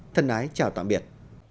thân ái chào tạm biệt